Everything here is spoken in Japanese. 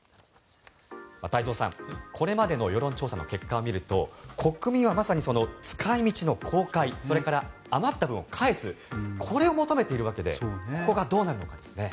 太蔵さん、これまでの世論調査の結果を見ると国民は、まさに使い道の公開それから余った分を返すこれを求めているわけでここがどうなるのかですね。